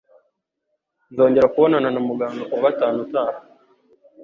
Nzongera kubonana na muganga kuwa gatanu utaha.